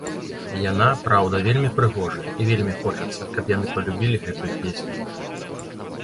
Яна, праўда, вельмі прыгожая, і вельмі хочацца, каб яны палюбілі гэтую песню.